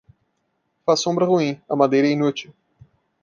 Faz sombra ruim, a madeira é inútil.